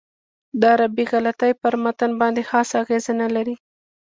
دا عربي غلطۍ پر متن باندې خاصه اغېزه نه لري.